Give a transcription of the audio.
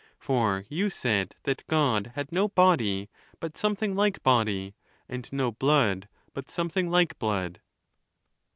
For you said that God had no body, but something like body ; and no blood, but some thing like blood.